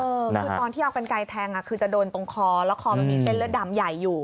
คือตอนที่เอากันไกลแทงคือจะโดนตรงคอแล้วคอมันมีเส้นเลือดดำใหญ่อยู่